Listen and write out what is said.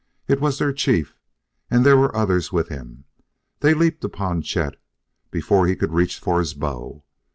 "It was their chief, and there were others with him. They leaped upon Chet before he could reach for his bow.